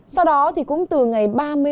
sau đó thì cũng từ ngày ba mươi một